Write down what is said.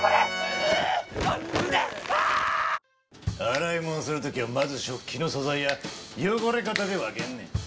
洗い物する時はまず食器の素材や汚れ方で分けんねん。